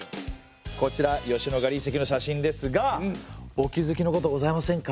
こちら吉野ヶ里遺跡の写真ですがお気付きのことございませんか？